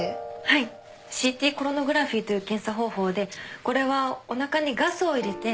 はい ＣＴ コロノグラフィという検査方法でこれはおなかにガスを入れて ＣＴ 撮影し